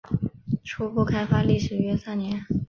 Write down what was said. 初步开发历时约三年。